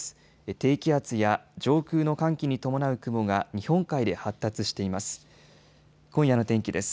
低気圧や上空の寒気に伴う雲が日本海で発達しています。